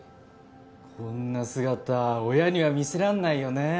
こんな姿親には見せらんないよねぇ？